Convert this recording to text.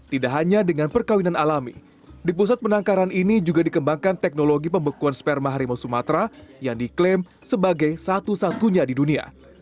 tidak hanya dengan perkawinan alami di pusat penangkaran ini juga dikembangkan teknologi pembekuan sperma harimau sumatera yang diklaim sebagai satu satunya di dunia